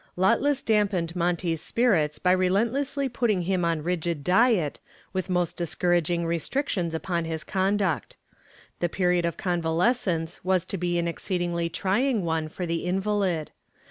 Lotless dampened Monty's spirits by relentlessly putting him on rigid diet, with most discouraging restrictions upon his conduct. The period of convalescence was to be an exceedingly trying one for the invalid.